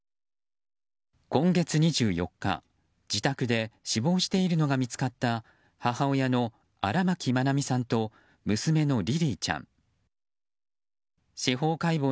今月２４日、自宅で死亡しているのが見つかった母親の荒牧愛美さんと娘のリリィちゃん。